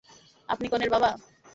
আপনি কনের বাবা!